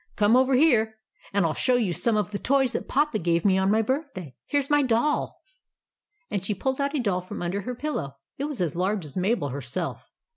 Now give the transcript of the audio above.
Come over here, and I '11 show you some of the toys that Papa gave me on my birthday. Here 's my doll." And she pulled out a doll from under her pillow. It was as large as Mabel herself.